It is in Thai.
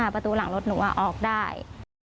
ประตูหลังรถหนูออกได้